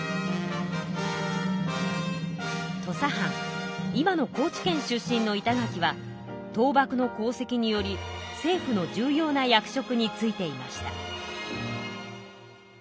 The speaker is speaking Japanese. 土佐藩今の高知県出身の板垣は倒幕の功績により政府の重要な役職についていました。